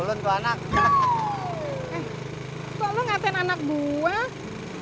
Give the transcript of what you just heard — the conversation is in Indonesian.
eh kok lo ngasihin anak buah